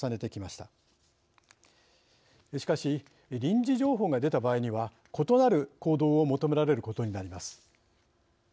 しかし、臨時情報が出た場合には異なる行動を求められることになります。